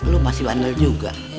lu masih wanel juga